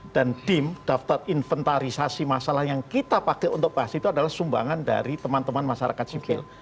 dan dim daftar inventarisasi masalah yang kita pakai untuk bahas itu adalah sumbangan dari teman teman masyarakat sivil